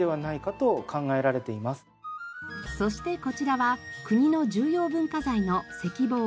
そしてこちらは国の重要文化財の石棒。